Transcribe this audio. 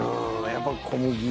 やっぱり小麦。